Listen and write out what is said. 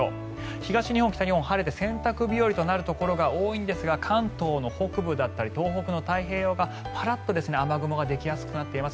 東日本、北日本は晴れて洗濯日和となるところが多いんですが関東の北部だったり東北の太平洋側パラッと雨雲ができやすくなっています。